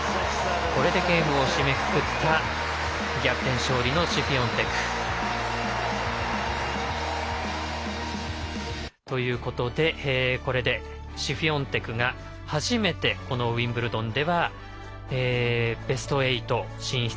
これでゲームを締めくくった逆転勝利のシフィオンテク。ということでこれでシフィオンテクが初めてウィンブルドンではベスト８進出。